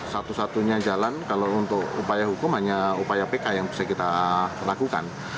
satu satunya jalan kalau untuk upaya hukum hanya upaya pk yang bisa kita lakukan